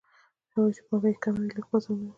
هغوی چې پانګه یې کمه وي لږ بازار مومي